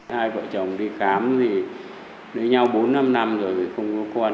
hai vợ chồng đi khám thì lấy nhau bốn năm năm rồi thì không có con